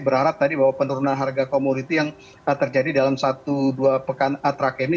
berharap tadi bahwa penurunan harga komoditi yang terjadi dalam satu dua pekan terakhir ini